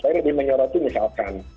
saya lebih menyoroti misalkan